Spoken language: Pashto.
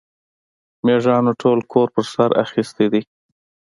مېږيانو ټول کور پر سر اخيستی دی.